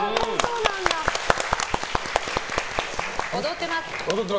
踊ってます。